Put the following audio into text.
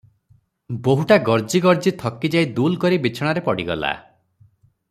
ବୋହୂଟା ଗର୍ଜି ଗର୍ଜି ଥକି ଯାଇ ଦୁଲକରି ବିଛଣାରେ ପଡିଗଲା ।